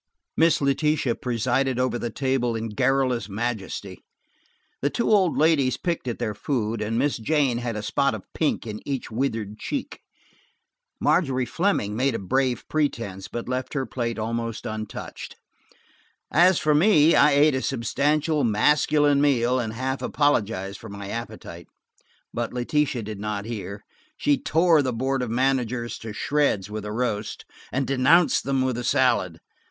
Miss Letitia presided over the table in garrulous majesty. The two old ladies picked at their food, and Miss Jane had a spot of pink in each withered cheek. Margery Fleming made a brave pretense, but left her plate almost untouched. As for me, I ate a substantial masculine meal and half apologized for my appetite, but Letitia did not hear. She tore the board of managers to shreds with the roast, and denounced them with the salad.